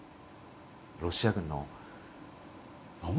ロシア軍の。